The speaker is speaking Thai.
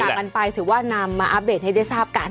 กันไปถือว่านำมาอัปเดตให้ได้ทราบกัน